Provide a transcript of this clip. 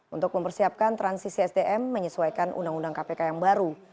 untuk mempersiapkan transisi sdm menyesuaikan undang undang kpk yang baru